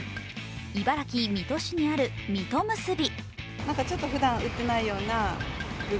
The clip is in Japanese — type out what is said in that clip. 茨城・水戸市にある水戸むすび。